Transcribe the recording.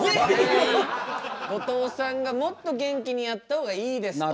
後藤さんがもっと元気にやった方がいいですと。